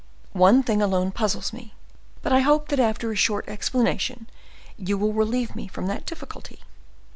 One thing alone puzzles me; but I hope that after a short explanation, you will relieve me from that difficulty.